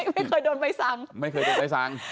ไม่เคยโดนใบสั่ง